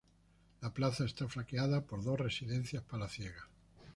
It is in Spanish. La plaza está flanqueada por dos residencias palaciegas.